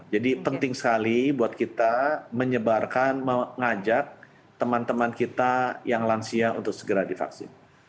jadi penting sekali buat kita menyebarkan mengajak teman teman kita yang lansia untuk segera divaksin